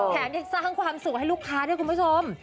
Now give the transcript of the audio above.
แถมยังสร้างความสุขให้ลูกค้าด้วยคุณผู้ชม